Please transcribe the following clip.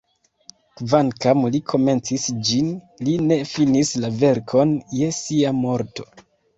Kvankam Li komencis ĝin, Li ne finis la verkon je Sia morto.